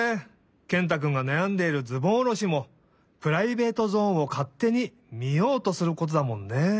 ケンタくんがなやんでいるズボンおろしもプライベートゾーンをかってにみようとすることだもんね。